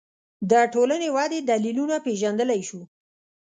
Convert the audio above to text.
د ټولنې ودې دلیلونه پېژندلی شو